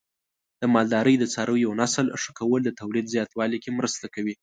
د مالدارۍ د څارویو نسل ښه کول د تولید زیاتوالي کې مرسته کوي.